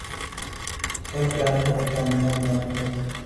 کا پرانا اور کامیاب نام ہے